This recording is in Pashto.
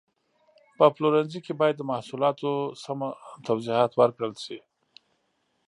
په پلورنځي کې باید د محصولاتو سمه توضیحات ورکړل شي.